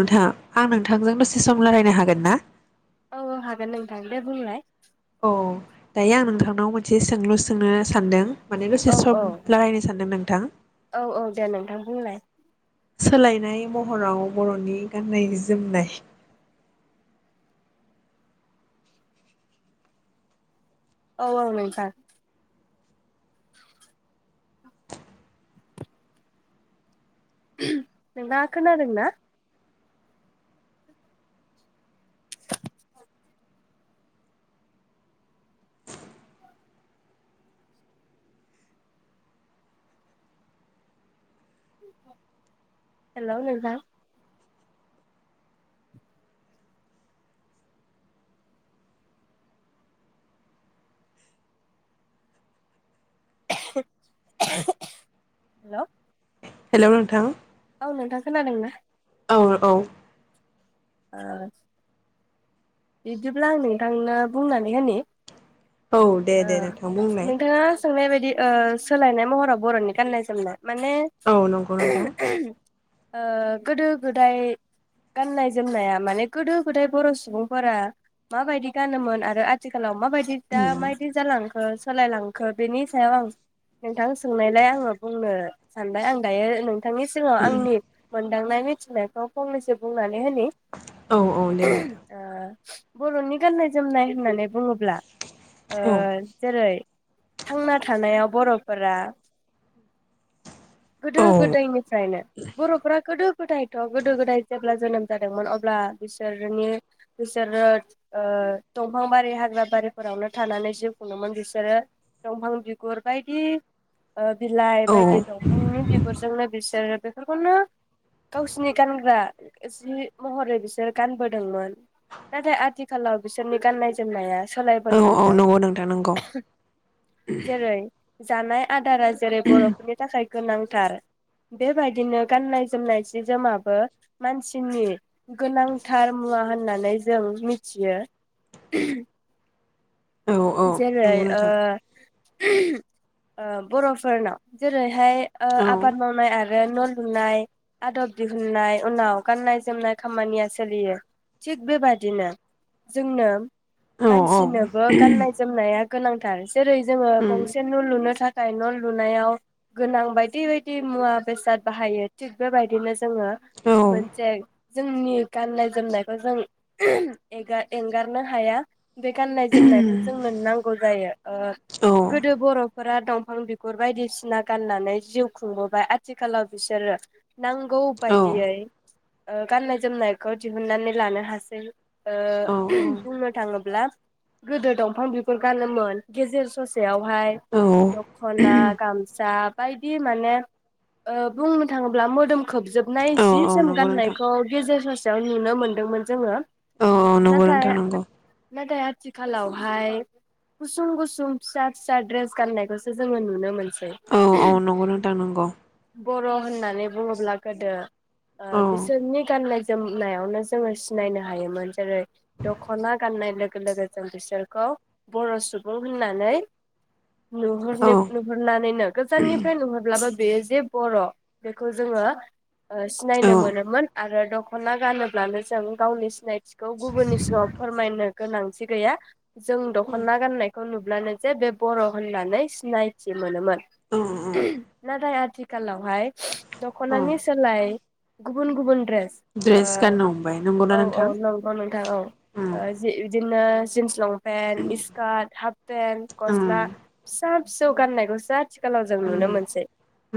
नोंथां आं नोंथांजों दसे सम रायलायनो हागोन ना औ हागोन नोंथां दे बुंलाय औ दायो आं नोंथांनाव मोनसे सोंलु सोंनो सानदों माने दसे औ औ सम लागायनो सानदों नोंथां औ औ दे नोंथां बुंलाय सोलायनाय महराव बर'नि गाननाय जोमनाय औ औ नोंथां। नोंना खोनादोंना? हेलौ नोंथां। हेलौ। हेलौ नोथां। औ नोंथां खोनादों ना? औ औ। ओ बिदिब्ला आं नोंथानो बुंनानै होनि औ दे ओ दे नोंथां बुंलाय। नोंथाङा सोंनाय बायदि ओ सोलायनाय महराव बर'नि गान्नाय जोमनाय। माने औ नंगौ नोंथां [unintelligible] ओ गोदो गोदाय गाननाय जोमनाया माने गोदो गोदाय बर' सुबुं फोरा माबायदि गानोमोन आरो आथिखालाव माबायदि दा माबायदि जाालांखो सोलायलांखो बेनि सायाव आं नोंथां सोंनायलाय आङो बुंनो सानबाय आं दायो नों थांनि सिगाङाव आंनि मोन लांनाय मिथिनायखौ फंनैसो बुंनानै नै होनि औ औ दे नोंथां बर'नि गाननाय जोमनाय होननानै बुङोब्ला ब्ला ओ औ जेरै थांना थानायाव बर'फोरा औ गोदो गोदायनिफ्रायनो बर'फोरा गोदो गोदायथ गोदो गोदाय जेब्ला जोनोम जादोंमोन अब्ला बिसोरनि बिसोरो ओ दंफां बारि हाग्रा बारिफोरावनो थानानै जिउ खुंङोमोन बिसोरो दंफां बिगुर बायदि ओ बिलाइ औ बायदि दंफांनि बिगुरजोंनो बिसोरो बेफोरखौनो गावसिनि गानग्रा जि महरै बिसोर गानबोदोंमोन। नाथाय आथिखालाव बिसोरनि गाननाय जोमनाया औ सोलायबोनो औ हमदों नंगौ नोंथां नंगौ जेरै जानाय आ दारा जेरै बर'फोरनि थाखाय गोनांथार बेबायदिनो गाननाय जोमनाय जि जोमाबो मानसिनि गोनांथार मुवा होन होननानै जों मिथियो। औ औ जेरै नंगौ ओ नोंथां ओ बर'फोरनाव जेरै थाय ओ औ आबाद मावनाय आरो आरो न लुनाय आदब दिहुननाय उनाव गाननाय जोमनाय खामानिया सोलियो थिग बेबादिनो जोंनो औ औ मानसिनोबो गाननाय जोमनाया गोनांथार जेरै जोङो गंसे न' लुनो था न' लुनायाव गोनां बायदि बायदि मुवा बेसाद बाहायो थिग बेबायदिनो जोङो औ मोनसे जोंनि गाननाय जोमनायखौ जों एंगा-एंगारनो हाया बेे गाननाय जोमनाय जोंनो नांगौ जायो ओ गोदो बर' फोरा दंफां बिगुर बायदिसिना गाननानै जिउ खुंबोबाय आथिखालाव बिसोरो नांगौ औ बायदियै ओ गाननाय जोमनायखौ दिहुननानै लानो हासै ओ औ बुंनो थाङोब्ला गोदो दंफां बिगुर गानोमोन गेजेर ससेयाव हाय औ दखना गामसा बायदि माने ओ बुंनो थाङोब्ला मोदोम खोबजोबनाय औ जि औ जोम नंगौ नोंथां गाननायखौ गेजेर ससे याव नुनो मोन्दोंमोन जोङो औ औ नंगौ नोंथां नाथाय नंगौ नाथाय आथिखालावहाय गुसुं गुसुं फिसा फिसा द्रेस गाननायखौसो जोङो नुनो मोन औ औ नंगौ नोंथां नंगौ बर होननानै बुङोब्ला गोदो ओ औ बिसोरनि गाननाय जोमनायावनो जोङो सिनायनो हायोमोन जेरै दखना गाननाय लोगो लोगो जों बिसोरखौ बर सुबुं होननानै नुहर औ नुहरनानैनो गोजाननिफ्राय नुहरब्लाबो बेयो जे बर' बेखौ जोङो ओ सिनायनो मोनोमोन आरो द द'खना गानोब्लानो जों गावनि सिनायथिखौ गुबुननि सिगाङाव फोरमायनो गोनां थिगैया जों दखना गाननायखौ नु अब्लानो जे बे बर' होननानै सिनायथि मोनोमोन औ नाथाय आथिखालावहाय औ दखनानि सोलाय गुबुन गुबुन द्रेस द्रेस गाननो हमबाय नंगौना ओ औ औ नोंथां नंगौ नोंथां औ उम जि बिदिनो जिन्स लंपेन्ट स्कारट हाफ पेन उम गस्ला फिसा फिसौ गाननायखौसो आथिखालाव जों नुनो उम मोनसै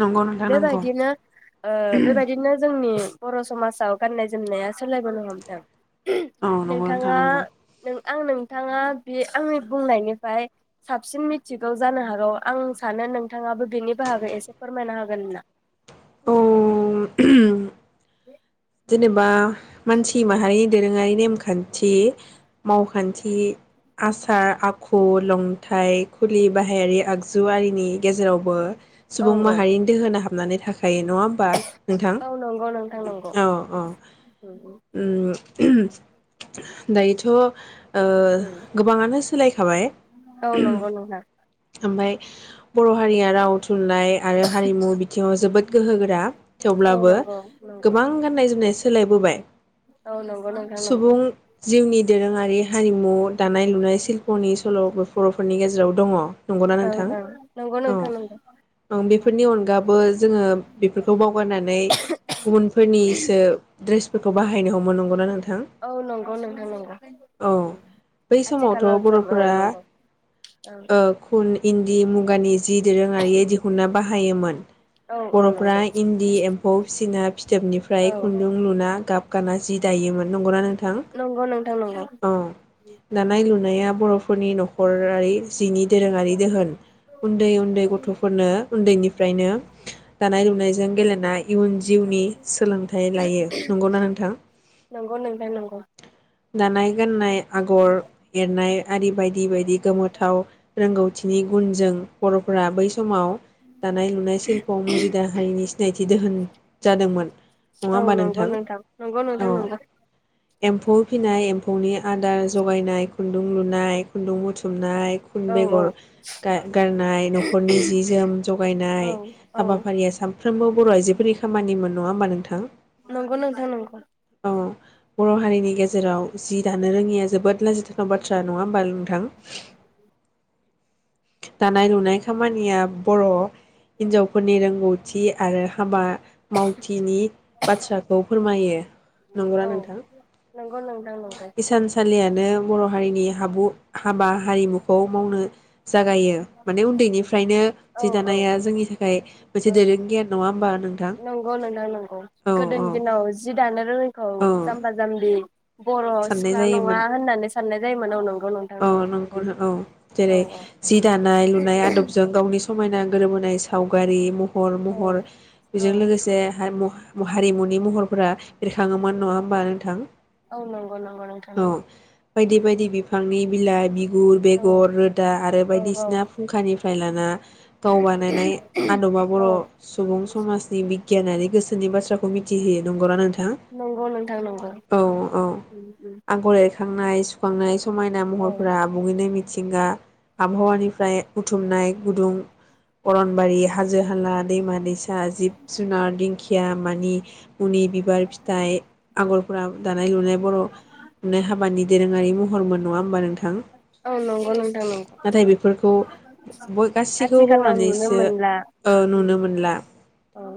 नंगौ नोंथां नंगौ बेबायदिनो ओ बेबायदिनो जोंनि बर' समाजाव गाननाय जोमनाया सोलायबोनो हमदों औ नंगौ नोंथां नोंथाङा नंगौ नों आं नोंथाङा बे आंनि बुंनायनिफ्राय साबसिन मिथिगौ जानो हागौ आं सानो नोंथाङाबो बिनि बाहागै एसे फोरमायनो हागोना? औ [inaudible] जेनेबा मानसि माहारि दोरोङारि नेम खान्थि मावखान्थि आसार आखु लंथाइ खुलि बाहायारि आगजुआरिनि गेजेरावबो औ सुबुं औ माहारिनि दोहोना हाब हाबनानै थाखा यो नङा होमबा नोंथां? औ नंगौ नोंथां नंगौ औ औ उम दायोथ' ओ गोबाङानो सोलायखाबाय औ उम नंगौ नोंथां ओमफाय बर' हारिया राव, थुनलाइ आरो हारिमु बिथिङाव जोबोद गोहोगोरा औ थेवब्लाबो नंगौ नंगौ गोबां गाननाय जोमनाय सोलायबोबाय। औ नंगौ नोंथां नंगौ सुबुं जिउनि दोरोङारि हारिमु दानाय लुनाय सिशल्प'नि सल'बो बर'फोरनि गेजेराव दङ नंगौना ओं नोंथां? ओं नंगौ औ नोंथां नंगौ औ बेफोरनि अनगाबो जोङो बेफोरखौ बावगारनानै गुबुनफोरनि द्रेसफोरखौ बाहायनो हमनो नंगौना नोंथां? औ नंगौ नोंथां नंगौ बै समावथ' आथिखालाव जों औ बर'फोरा नंगौ औ ओ खुन, इन्दि, मुगानि जि दोरोङारि दिहुनना बाहायोमोन औ औ बर'फ्रा नंगौ इन्दि एम्फौ फिसिना फिथोबनिफ्राय औ खुन्दुं लुना गाब गाना जि दा योमोन नंगौ ना नों थां नंगौ नोंथां नंगौ औ दानाय लुनाया बर' फोरनि न'खरारि जिनि दोरोङारि दोहोन उन्दै उन्दै गथ'फोरनो उन्दैनि फ्रायनो दानाय लुनायजों गेलेनाय इयुन जिउनि सोलोंथाइ लायो नंगौना नोंथां? नंगौ नोंथां नंगौ दानाय गाननाय आगर एरनाय आरि बायदि बायदि गोमोथाव रोंगौथिनि गुनजों बरफोरा बैस समाव दानाय लुनाय सिल्पआव मुजिद हारिनि सिनायथि दोहोन जादोंमोन नङा औ होमबा नंगौ नोंथां नंगौ औ नोंथां नंगौ एम्फौ फिसिनाय एम्फौनि आदार जगायनाय खुन्दुं लुनाय खुन्दुं बुथु नाय खुन औ औ बेगर गारनाय न'खरनि जि जोम औ जगायनाय औ हाबाफारिया साम साफ्रोमबो बर' आइजोफोरनि खामानि मोन नङा होमबा नोंथां नंगौ नंथां नंगौ औ बर' हारिनि गेज जेराव जि दानो रोङिया जोबोद लाजिथावना बाथ्रा नङा होमबा नोंथां दानाय लुनाय खामानिया बर' हिनजावफोरनि रोंगौ थि आरो हाबा मावथिनि बाथ्राखौ फोरमायो नंगौ ना औ नोंथां नंगौ नोंथां नंगौ नो बर हारिनि हाबु हाबा हारिमुखौ मावनो जागायो माने उन्दैनिफ्रायनो औ जि औ दानाया जोंनि थाखाय मोनसे औ दोरों गियान नङा होमबा नोंथां नंगौ नोंथां नंगौ औ औ गोदोनि दिनाव जि दानो रोङैखौ औ जाम्बा जाम्बि [unintelligible] बरआव साननाय सिख्ला जायोमोन नङा होननानै साननाय जायमोन औ नोंग औ नंगौ औ जेरै जि दानाय लुनाय आदबजों गावनि समायना गोरोबोनाय सावगारि म हर औ महर औ बेजों लोगोसे हायम हारिमुनि महरफोरा बेरखाङोमोन नङा होमबा नोंथां औ नंगौ नंगौ नोंथां औ बायदि बायदि बिफांनि बिलाइ बि गुर बेगर रोदा आरो औ औ बायदिसिना फुंखानिफ्राय लाना गाव बानायनाय आदबा बर औ सुबुं समाजनि बिगियानारि गोसोनि बाथ्रा खौ मिथि होयो नंगौ नोथा नंगौ नोंथां नंगौ । थांनाय सुखांनाय समायना महरफोरा आबुङैनो मि थिंगा आबहावानिफ्राय बुथुमनाय गुदुं अरनबारि हाजो जोहाला दैमा दैसा जिब जुनार दिंखिया मानि उनि बिबार फिथाइ आगरफोरा दानाय लुनाय बर नो हाबानि दोरोङारि महरमोन नङा होमबा नोंथां? औ नंगौ नोंथां नंगौ नाथाय बेफोरखौ गासैखौबो आथिखालाव नुनो बावनानैसो मोनला ओ नुनो मोनला ओम औ।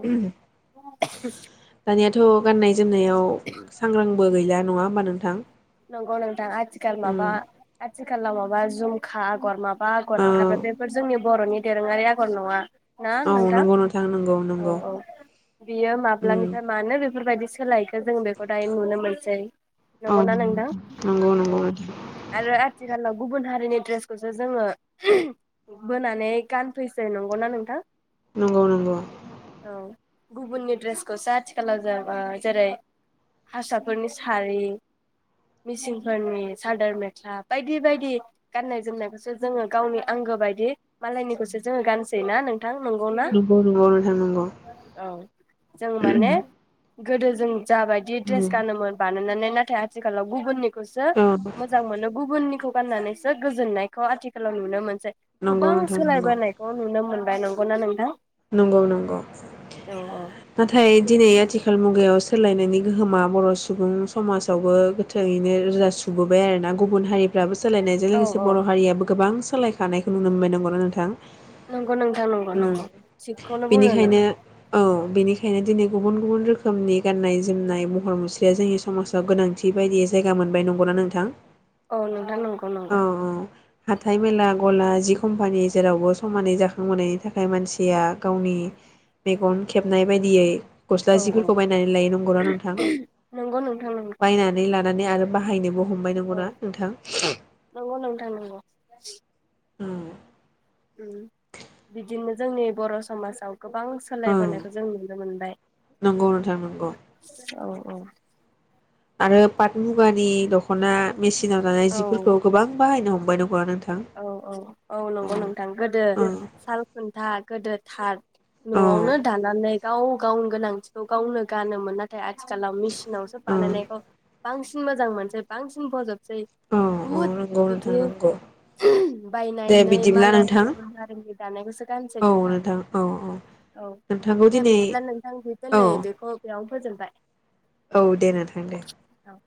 थ गाननाय जोमनायाव सांग्रांबो गैला नङा होमबा नोंथां? नंगौ नोंथां आ थि उम [unintelligible] थिखालाव माबा जुमखा आगर माब बा आगर औ ओंखारो बेफोर जोंनि बर'नि दोरोङारि आगर नङा । ना औ नोंथां नंगौ नंगौ औ नंगौ औ बियो उम माब्लानिफ्राय मानो बेफोरबायदि । सोलाय जों बेखौ दायो नुनो मोनसै औ नंगौना नों? नंगौ नंगौ नों आथिखालाव गुबुन हारिनि ड्रेसखौसो जोङो [unintelligible] बोनानै गानफैसै नंगौना नोंथां? नंगौ नंगौ । औ गुबुननि ड्रेसखौसो आथिखालाव जों जेरै हारसाफोरनि सारि मिसिंफोरनि सादोर मेख्ला बायदि बायदि गाननाय जोमनायखौसो जोङो गावनि आंगो बायदि मालायनिखौसो जोङो गानसै ना? नों थां नंगौना नंगौ नंगौ नोंथां नंगौ औ जों माने गोदो जों जाबायदि ड्रेस उम गानोमोन बानायनानै नाथाय आ थिखालाव गुबुननि सो औ मोजां मोनो गुबुननिखौ गाननानैसो गोजोननायखौ आथिखालाव नुनो मोन नंगौ गोबां नोंथां नंगौ सोलायबोनायखौ नुनो मोनबाय नों गौना नोंथां? नंगौ नंगौ औ नाथाय दिनै आथिखाल मुगायाव सो सोलायनायनि गोहोमा बर सुबुं समाजावबो गोथै दिनो रोजा सुबुबोबाय आरोना गुबुन हारिफ्राबो सोलायनायजों औ लोगोसे औ बर हारियाबो गोबां सोलायखानायखौ नुनो मोनबाय नंगौ ना नोंथां नंगौ नोंथां नंगौ उम नंगौ थिगखौनो बुंदों नों बेनिखायनो औ औ बेनिखायनो दिनै गुबुन गुबुन रोखोमनि गाननाय जोमनाय महर मुस्रिया जोंनि समाजाव गोनांथि बायदि जायगा मोनबाय नंगौना नोंथां औ नोंथां नंगौ नंगौ अ अ हाथाय मेला गला जिख कम्पानि जेरावबो समानै जाखांबोनायनि थाखाय मानसि या गावनि मेगन खेबनाय बायदियै गस्ला औ औ जिफोरखौ बायनानै लायो नंगौना नोंथां नंगौ नोंथां नंगौ बायनानै ला नानै आरो बाहायनोबो हमबाय‌ औ नंगौ ना नोंथां नंगौ नोंथां नंगौ होम उम बिदिनो जोंनि बर समाजाव गोबां सोलायबोनायखौ जों नुनो मोनबाय नंगौ नोंथां नंगौ औ औ आरो पाट मुगानि दख खना मेसिनाव दानाय जिफोरखौ गोबां बाहायनो हम [unintelligible] औ औ औ नंगौ नोंथां गोदो साल खुन्था गोदो थार औ नआवनो दानानै गाव गावनि गोनांथिखौ गावनो गानोमोन नाथाय आथ थिखालाव मेसिनावसो बानायनायखौ बांसिन मोजां मोनसै बांसिन बजब जोंनि औ औ बुहुत नंगौ नोंथां बिदिनो नंगौ बायनाय दे नै बिदिब्ला मालाय नोंथां गुबुन हारिनि दानायखौसो गानसै औ नोंथां औ औ औ नोंथांखौ दे दिनै बिदिब्ला नोंथां बि औ दोननै बेखौ बेयावनो फोजोबबाय औ दे नोंथां दे औ